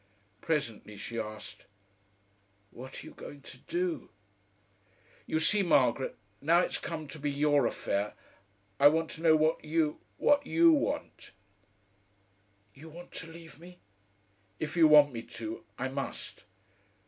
Presently she asked: "What are you going to do?" "You see, Margaret, now it's come to be your affair I want to know what you what you want." "You want to leave me?" "If you want me to, I must."